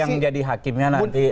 jadi jadi hakimnya nanti